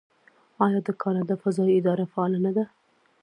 آیا د کاناډا فضایی اداره فعاله نه ده؟